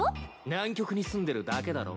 南極にすんでるだけだろ。